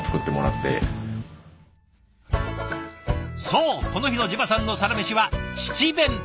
そうこの日のＪＥＶＡさんのサラメシは父弁。